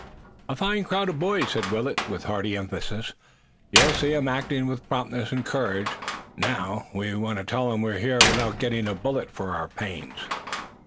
"A fine crowd of boys," said Willet, with hearty emphasis. "You'll see 'em acting with promptness and courage. Now, we want to tell 'em we're here without getting a bullet for our pains."